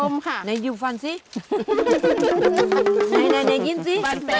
อมค่ะนายยืมฟันสิไหนนายยิ้มสิ